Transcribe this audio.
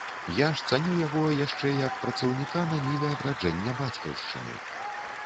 Я ж цаню яго яшчэ як працаўніка на ніве адраджэння бацькаўшчыны.